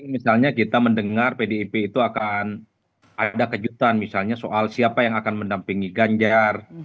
misalnya kita mendengar pdip itu akan ada kejutan misalnya soal siapa yang akan mendampingi ganjar